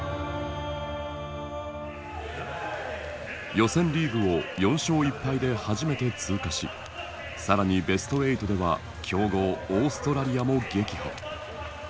予選リーグを４勝１敗で初めて通過し更にベスト８では強豪オーストラリアも撃破。